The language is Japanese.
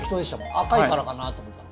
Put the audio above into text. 赤いからかなと思ったの。